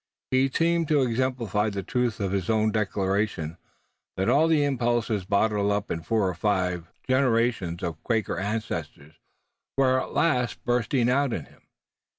He seemed to exemplify the truth of his own declaration that all the impulses bottled up in four or five generations of Quaker ancestors were at last bursting out in him.